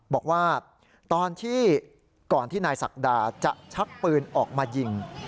บอกว่าตอนที่ก่อนที่นายศักดาจะชักปืนออกมายิง